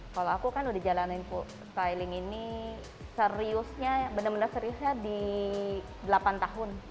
kalau aku kan udah jalanin styling ini seriusnya benar benar seriusnya di delapan tahun